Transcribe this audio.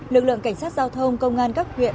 lực lượng cảnh sát giao thông công an các huyện